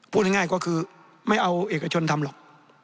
พูดง่ายก็คือไม่เอาเอกชนทำหรอก